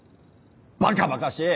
ばかばかしい。